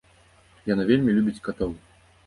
Яна вельмі любіць катоў.